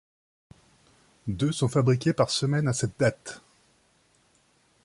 Deux sont fabriqués par semaine a cette date.